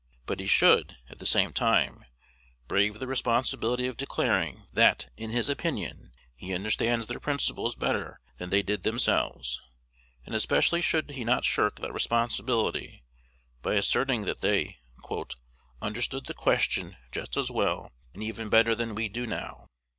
But he should, at the same time, brave the responsibility of declaring, that, in his opinion, he understands their principles better than they did themselves; and especially should he not shirk that responsibility by asserting that they "understood the question just as well, and even better than we do now."